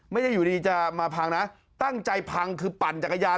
ไม่ได้อยู่ดีจะมาพังนะตั้งใจพังคือปั่นจักรยาน